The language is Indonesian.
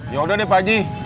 ya udah deh pak ji